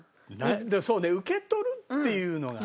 でもそうね受け取るっていうのがね。